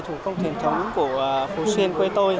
thủ công truyền thống của phố xuyên quê tôi